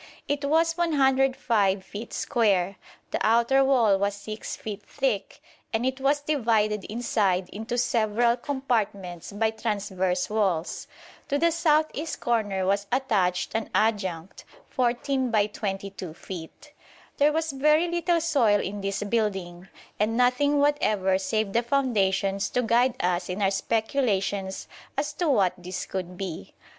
It was 105 feet square; the outer wall was 6 feet thick, and it was divided inside into several compartments by transverse walls. To the south east corner was attached an adjunct, 14 by 22 feet. There was very little soil in this building; and nothing whatever save the foundations to guide us in our speculations as to what this could be.